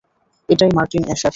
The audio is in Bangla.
এটাই মার্টিন এশার।